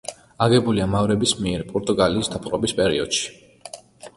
აგებულია მავრების მიერ პორტუგალიის დაპყრობის პერიოდში.